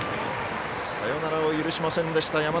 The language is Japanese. サヨナラを許しませんでした